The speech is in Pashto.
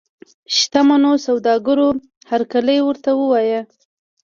شته منو سوداګرو هرکلی ورته ووایه.